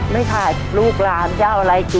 ไม่ขายลูกหลานเจ้าอะไรคิด